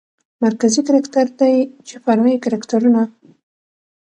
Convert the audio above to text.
مرکزي کرکتر دى چې فرعي کرکترونه